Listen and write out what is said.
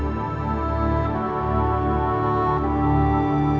saya suka rush camel misalnya